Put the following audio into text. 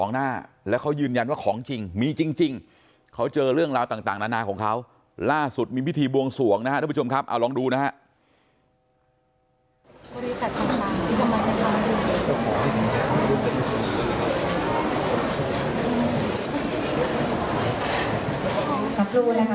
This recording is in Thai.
๕๒หน้าแล้วเขายืนยันว่าของจริงมีจริงเขาเจอเรื่องราวต่างนานาของเขาล่าสุดมีพิธีบวงส่วงนะครับด้วยผู้ชมครับเอาลองดูนะครับ